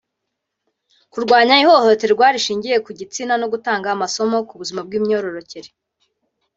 kurwanya ihohoterwa rishingiye ku gitsina no gutanga amasomo ku buzima bw’imyororokere